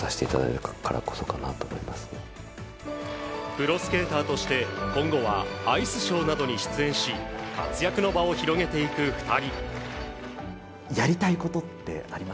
プロスケーターとして今後はアイスショーなどに出演し活躍の場を広げていく２人。